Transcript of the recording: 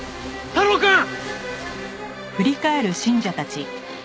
太郎くん！